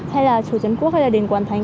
hay là chùa trấn quốc hay là đền quản thánh